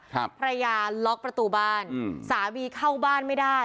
ภรรยาล็อกประตูบ้านอืมสามีเข้าบ้านไม่ได้